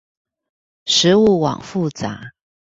食物網複雜